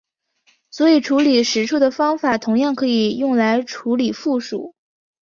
所以处理实数的方法同样可以用来处理复数。